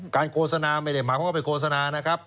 โฆษณาไม่ได้หมายความว่าไปโฆษณานะครับ